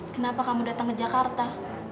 kenapa kamu datang ke jakarta